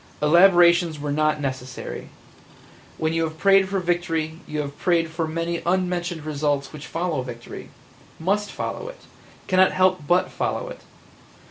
Elaborations were not necessary. When you have prayed for victory you have prayed for many unmentioned results which follow victory – must follow it, cannot help but follow it.